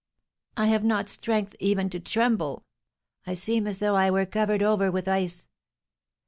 "I have not strength even to tremble, I seem as though I were covered over with ice."